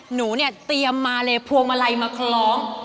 หนูเนี่ยเตรียมมาเลยพวงมาลัยมาคล้อง